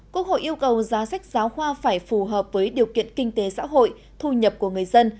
quốc hội yêu cầu giá sách giáo khoa phải phù hợp với điều kiện kinh tế xã hội thu nhập của người dân